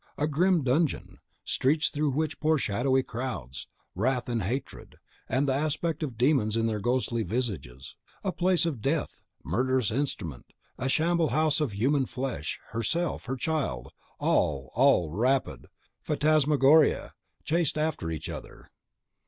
A grim dungeon; streets through which pour shadowy crowds; wrath and hatred, and the aspect of demons in their ghastly visages; a place of death; a murderous instrument; a shamble house of human flesh; herself; her child; all, all, rapid phantasmagoria, chased each other.